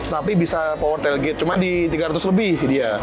tapi bisa power tailgate cuma di rp tiga ratus an lebih dia